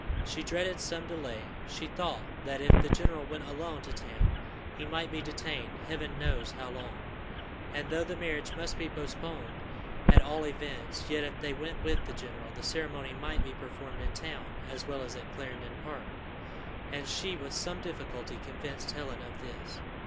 She dreaded some delay; she thought that, if the general went alone to town, he might be detained Heaven knows how long; and though the marriage must be postponed at all events, yet if they went with the general, the ceremony might be performed in town as well as at Clarendon Park; and she with some difficulty convinced Helen of this.